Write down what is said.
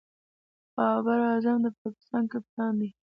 بابر اعظم د پاکستان کپتان دئ.